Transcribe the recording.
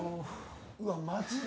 うわっマジで？